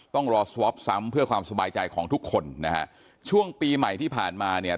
ต้องรอสวอปซ้ำเพื่อความสบายใจของทุกคนนะฮะช่วงปีใหม่ที่ผ่านมาเนี่ย